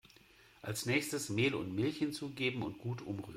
Als nächstes Mehl und Milch hinzugeben und gut umrühren.